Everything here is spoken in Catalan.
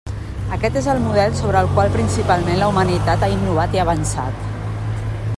Aquest és el model sobre el qual principalment la humanitat ha innovat i avançat.